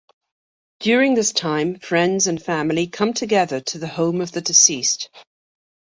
During this time, friends and family come together to the home of the deceased.